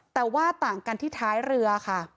แต่ว่าต่างกันที่ท้ายเรือค่ะ